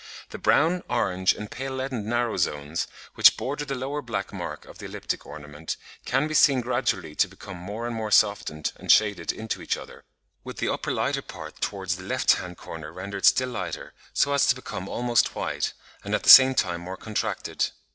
The brown, orange, and pale leadened narrow zones, which border the lower black mark of the elliptic ornament, can be seen gradually to become more and more softened and shaded into each other, with the upper lighter part towards the left hand corner rendered still lighter, so as to become almost white, and at the same time more contracted.